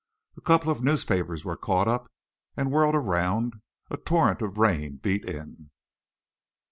A couple of newspapers were caught up and whirled around, a torrent of rain beat in.